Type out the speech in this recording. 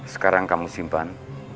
sekarang kamu simpan